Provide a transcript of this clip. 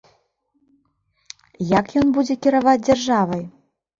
Як ён будзе кіраваць дзяржавай?